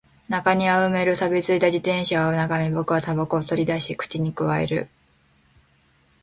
中庭を埋める錆び付いた自転車を眺め、僕は煙草を取り出し、口に咥える